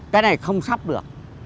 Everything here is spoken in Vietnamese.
cái này không sắp được